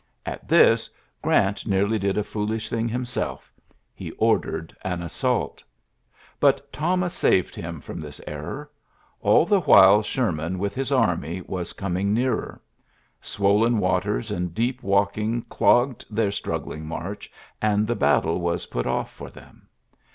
At this, Grant nearly did a foolish thing himself. He ordered an assault But Thomas saved him from this error. All the while Sherman with his army was com ing nearer. Swollen waters and deep walking clogged their struggling march, and the battle was put off for them.